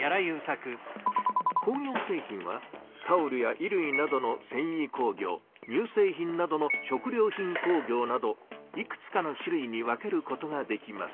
工業製品はタオルや衣類などのせんい工業にゅう製品などの食料品工業などいくつかの種類に分けることができます。